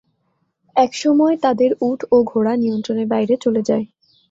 এক সময় তাদের উট ও ঘোড়া নিয়ন্ত্রণের বাইরে চলে যায়।